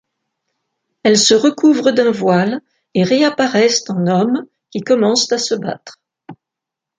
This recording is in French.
Elles se recouvrent d'un voile et réapparaissent en hommes qui commencent à se battre.